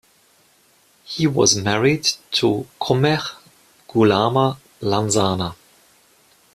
He was married to Komeh Gulama Lansana.